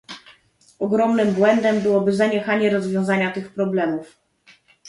Ogromnym błędem byłoby zaniechanie rozwiązania tych problemów